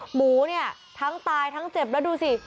หมูเนี่ยทั้งตายทั้งเจ็บแล้วดูสิ